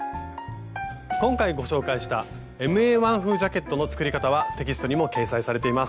今回ご紹介したＭＡ−１風ジャケットの作り方はテキストにも掲載されています。